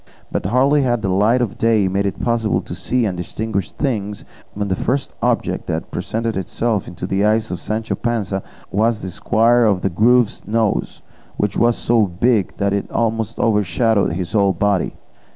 But hardly had the light of day made it possible to see and distinguish things, when the first object that presented itself to the eyes of Sancho Panza was the squire of the Grove's nose, which was so big that it almost overshadowed his whole body.